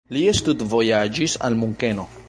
Li studvojaĝis al Munkeno.